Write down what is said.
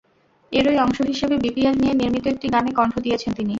এরই অংশ হিসেবে বিপিএল নিয়ে নির্মিত একটি গানে কণ্ঠ দিয়েছেন তিনি।